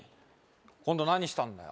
今度何したんだよ